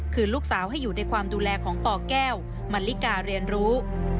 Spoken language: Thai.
คือลูกสาวให้อยู่ในความดูแลของปแก้วมันลิกาเรียนรู้